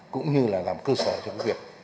cũng như là làm cơ sở cho cái việc